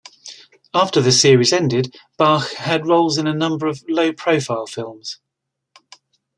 After the series ended, Bach had roles in a number of low-profile films.